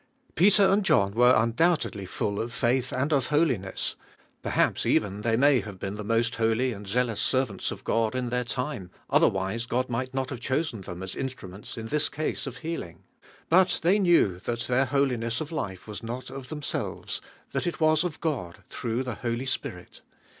Peter and John were undoubtedly full of faith and of holiness; perhaps even they may have been the most holy amj zealous servants of God in their time, oth erwise God might not have chosen them i>ivine iiEjkLi^a as instruments in this ease of healing. But they knew that their holiness of life was not of themselves, that it was of God through the Holy Spirit.